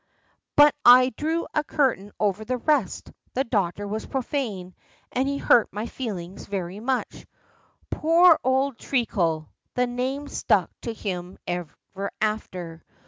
But I draw a curtain over the rest; the doctor was profane, and he hurt my feelings very much. Poor old Treacle! The name stuck to him ever after.